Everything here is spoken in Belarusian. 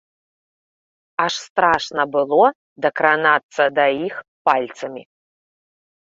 Аж страшна было дакранацца да іх пальцамі.